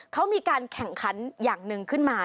เขามีการแข่งขันอย่างหนึ่งขึ้นมา